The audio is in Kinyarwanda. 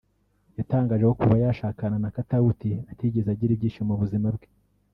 yatangaje ko kuva yashakana na Katauti atigeze agira ibyishimo mu buzima bwe